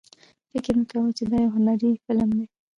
فکر مې کاوه چې دا یو هنري فلم دی.